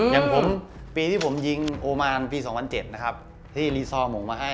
อย่างผมปีที่ผมยิงโอมานปี๒๐๐๗นะครับที่รีซอร์หมงมาให้